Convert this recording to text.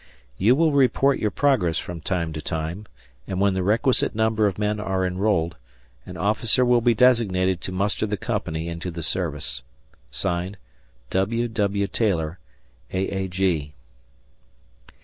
You will report your progress from time to time, and when the requisite number of men are enrolled, an officer will be designated to muster the company into the service. (Signed) W. W. Taylor, A. A. G.